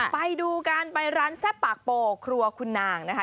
ไปดูกันไปร้านแซ่บปากโปครัวคุณนางนะคะ